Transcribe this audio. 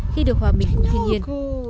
khi được hòa bình cùng thiên nhiên